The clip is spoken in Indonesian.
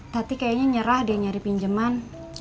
tati kayaknya nyerah deh nyari pinjeman